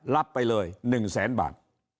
รับไปเลย๑แสนบาท